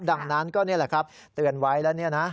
ดังนั้นก็นี่แหละครับเตือนไว้แล้วเนี่ยนะ